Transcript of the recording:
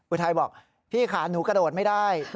อุทัยบอกพี่ขาหนูกระโดดไม่ได้